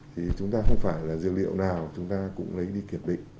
thì chúng ta không phải là dược liệu nào chúng ta cũng lấy đi kiểm định